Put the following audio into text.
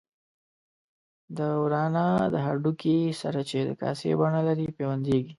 د ورانه د هډوکي سره چې د کاسې بڼه لري پیوندېږي.